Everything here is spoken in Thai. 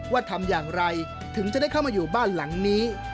ทำอย่างไรถึงจะได้เข้ามาอยู่บ้านหลังนี้